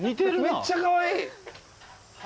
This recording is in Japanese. めっちゃかわいい。